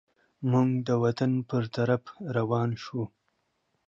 موږ د وطن پر طرف روان سوو.